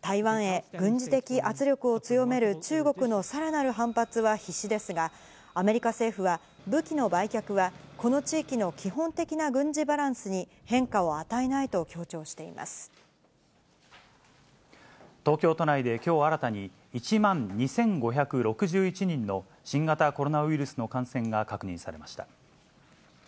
台湾へ軍事的圧力を強める中国のさらなる反発は必至ですが、アメリカ政府は、武器の売却はこの地域の基本的な軍事バランスに変化を与えないと東京都内で、きょう新たに１万２５６１人の新型コロナウイルスの感染が確認されました。